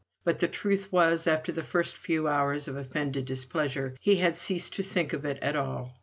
But the truth was, after the first few hours of offended displeasure, he had ceased to think of it at all.